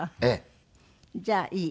じゃあいい？